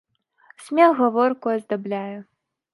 Смех гаворку аздабляе